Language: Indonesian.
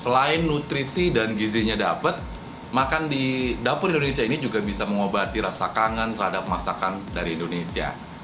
selain nutrisi dan gizinya dapat makan di dapur indonesia ini juga bisa mengobati rasa kangen terhadap masakan dari indonesia